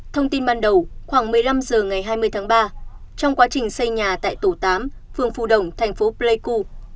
thông tin ban đầu khoảng một mươi năm h ngày hai mươi tháng ba trong quá trình xây nhà tại tổ tám phường phù đồng thành phố pleiku